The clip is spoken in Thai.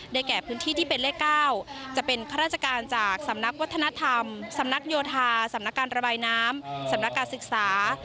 แก่พื้นที่ที่เป็นเลข๙จะเป็นข้าราชการจากสำนักวัฒนธรรมสำนักโยธาสำนักการระบายน้ำสำนักการศึกษา